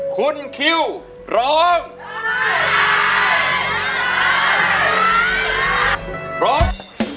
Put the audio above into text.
คุณคิวร้อง